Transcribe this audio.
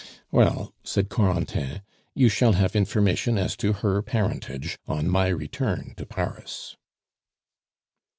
"Well," said Corentin, "you shall have information as to her parentage on my return to Paris."